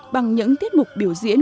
bằng những tiết mục biểu diễn